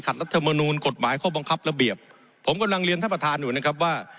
รัฐมนูลกฎหมายข้อบังคับระเบียบผมกำลังเรียนท่านประธานอยู่นะครับว่า